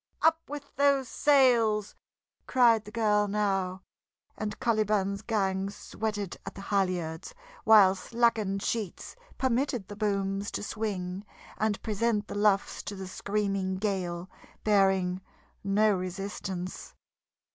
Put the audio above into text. "Up with those sails!" cried the girl now, and Caliban's gang sweated at the halyards, while slackened sheets permitted the booms to swing and present the luffs to the screaming gale, bearing no resistance.